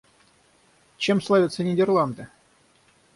Чем славятся Нидерланды?